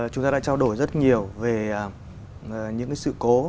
chúng ta đã trao đổi rất nhiều về những cái sự cố